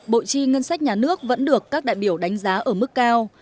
bộ chi ngân sách nhà nước vẫn được các đại biểu đánh giá ở mức cao